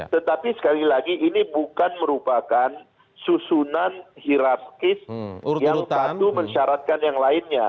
tetapi sekali lagi ini bukan merupakan susunan hirafkis yang satu mensyaratkan yang lainnya